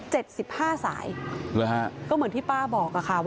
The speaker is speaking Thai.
หรืออ่ะ